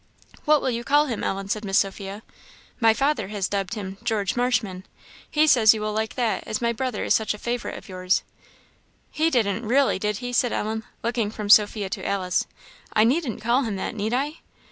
"What will you call him, Ellen," said Miss Sophia. "My father has dubbed him 'George Marshman;' he says you will like that, as my brother is such a favourite of yours." "He didn't really, did he?" said Ellen, looking from Sophia to Alice. "I needn't call him that, need I?"